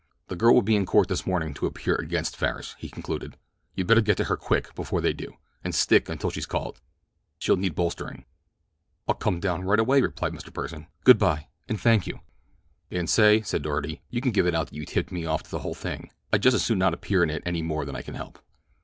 "The girl will be in court this morning to appear against Farris," he concluded. "You'd better get to her quick, before they do, and stick until she's called. She'll need bolstering." "I'll come down right away," replied Mr. Pursen. "Good by, and thank you." "And say," said Doarty, "you can give it out that you tipped me off to the whole thing—I'd just as soon not appear in it any more than I can help."